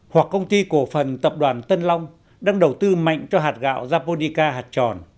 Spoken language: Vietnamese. hoặc công ty cổ phần tập đoàn tân long đang đầu tư mạnh cho hạt gạo japonica hạt tròn